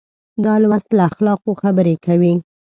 دا لوست له اخلاقو خبرې کوي.